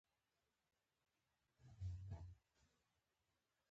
د رایې لپاره دوه ډالره ورنه کړم.